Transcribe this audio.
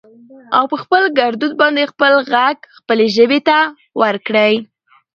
او په خپل ګردود باندې خپل غږ خپلې ژبې ته ورکړٸ